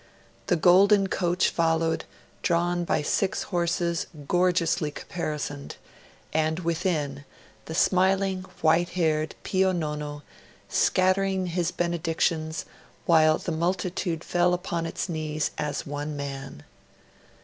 The golden coach followed, drawn by six horses gorgeously caparisoned, and within, the smiling white haired Pio Nono, scattering his benedictions, while the multitude fell upon its knees as one man.